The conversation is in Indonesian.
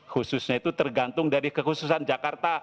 khususnya itu tergantung dari kekhususan jakarta